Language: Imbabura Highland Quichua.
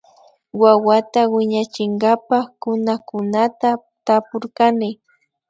Wawata wiñachinkapa kunakunata tapurkani